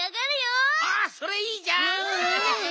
おそれいいじゃん！